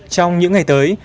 trong những ngày tới